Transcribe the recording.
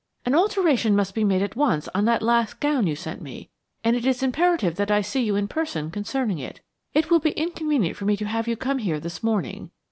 An alteration must be made at once in that last gown you sent me, and it is imperative that I see you in person concerning it. It will be inconvenient for me to have you come here this morning.